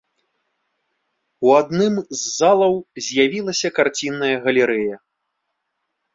У адным з залаў з'явілася карцінная галерэя.